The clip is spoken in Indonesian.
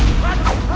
gak ada pusaka